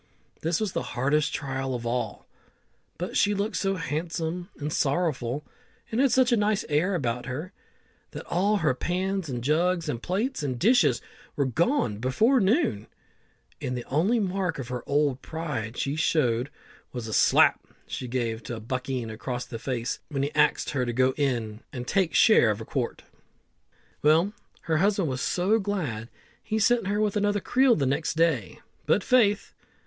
This was the hardest trial of all, but she looked so handsome and sorrowful, and had such a nice air about her, that all her pans, and jugs, and plates, and dishes were gone before noon, and the only mark of her old pride she showed was a slap she gave a buckeen across the face when he axed her to go in an' take share of a quart. Well, her husband was so glad, he sent her with another creel the next day; but faith!